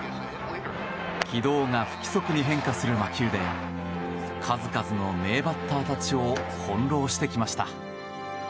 軌道が不規則に変化する魔球で数々の名バッターたちを翻弄してきました。